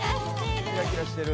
キラキラしてる。